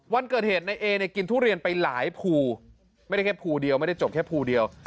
วันเกิดเหตุในเอเนี่ยกินทุเรียนไปหลายภูไม่ได้แค่ภูเดียวไม่ได้จบแค่ภูเดียว